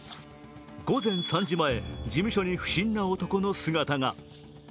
午前３時前、事務所に不審な男の姿が。